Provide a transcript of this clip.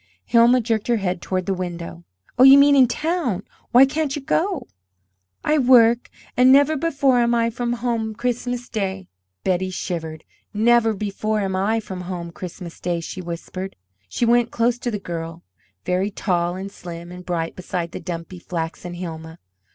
Hilma jerked her head toward the window. "Oh, you mean in town? Why can't you go?" "I work. And never before am I from home Christmas day." Betty shivered. "Never before am I from home Christmas day," she whispered. She went close to the girl, very tall and slim and bright beside the dumpy, flaxen Hilma.